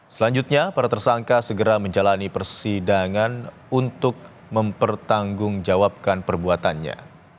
selanjutnya para tersangka segera menjalani persidangan untuk mempertanggungjawabkan perbuatannya